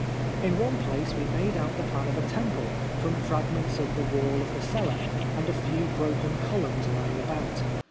In one place we made out the plan of a temple from fragments of the wall of the cella and a few broken columns lying about.